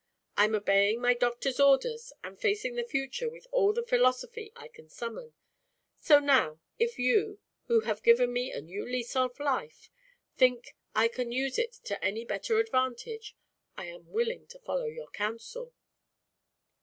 I'm obeying my doctor's orders and facing the future with all the philosophy I can summon. So now, if you who have given me a new lease of life think I can use it to any better advantage, I am willing to follow your counsel."